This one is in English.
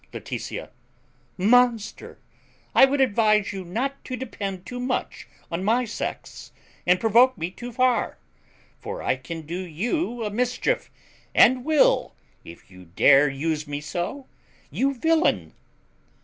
Laetitia. Monster! I would advise you not to depend too much on my sex, and provoke me too far; for I can do you a mischief, and will, if you dare use me so, you villain!